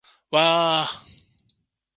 わあーーーーーーーーーー